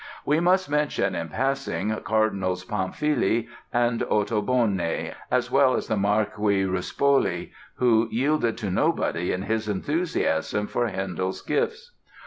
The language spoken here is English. We must mention in passing Cardinals Panfili and Ottoboni, as well as the Marquis Ruspoli, who yielded to nobody in his enthusiasm for Handel's gifts.